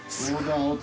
すごい。